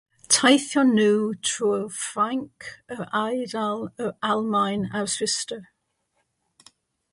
Teithion nhw trwy Ffrainc, yr Eidal, yr Almaen, a'r Swistir.